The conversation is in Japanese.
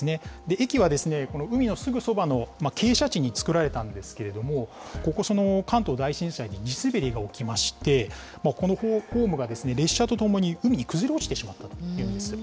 駅はですね、この海のそばの傾斜地に造られたんですけれども、ここ、関東大震災で地滑りが起きまして、このホームが列車と共に海に崩れ落ちてしまったというんです。